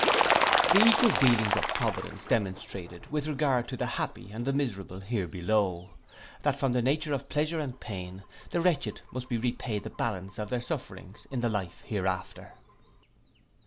The equal dealings of providence demonstrated with regard to the happy and the miserable here below. That from the nature of pleasure and pain, the wretched must be repaid the balance of their sufferings in the life hereafter.